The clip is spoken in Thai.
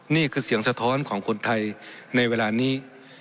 นี่คือเสียงสะท้อนของคนไทยในเวลานี้